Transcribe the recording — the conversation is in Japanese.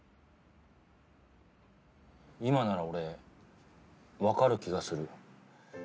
今なら俺わかる気がする。